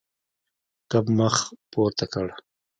کب مخ پورته لاړ.